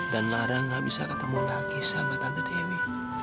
dan lara gak bisa ketemu lagi sama tante dewi